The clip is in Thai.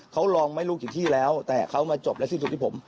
เขาลองไม่รู้กี่ที่แล้วแต่เขามาจบและสิ้นสุดที่ผม